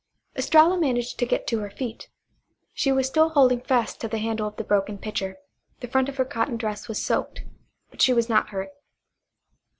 Estralla managed to get to her feet. She was still holding fast to the handle of the broken pitcher. The front of her cotton dress was soaked, but she was not hurt.